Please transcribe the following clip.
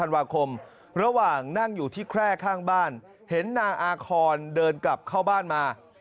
ธันวาคมระหว่างนั่งอยู่ที่แคร่ข้างบ้านเห็นนางอาคอนเดินกลับเข้าบ้านมา